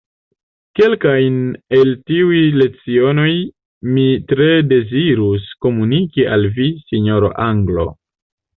Kelkajn el tiuj lecionoj mi tre dezirus komuniki al vi, sinjor’ anglo.